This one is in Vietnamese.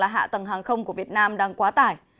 hạ tầng hàng không của việt nam đang quá tải